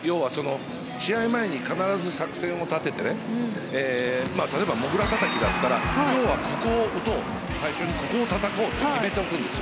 試合前に必ず作戦を立てて例えば、もぐらたたきだったら今日はここを打とう最初にここをたたこうと決めておくんです。